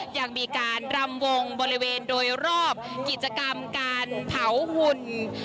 ยังมีการรำวงบริเวณโดยรอบกิจกรรมการเผาหุ่น